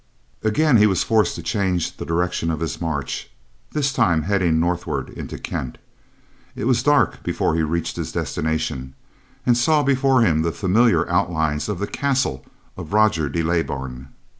Again he was forced to change the direction of his march, this time heading northward into Kent. It was dark before he reached his destination, and saw before him the familiar outlines of the castle of Roger de Leybourn.